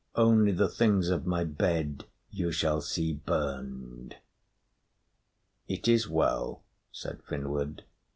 Only the things of my bed, you shall see burned." "It is well," said Finnward.